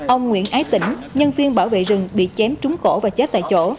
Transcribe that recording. ông nguyễn ái tỉnh nhân viên bảo vệ rừng bị chém trúng cổ và chết tại chỗ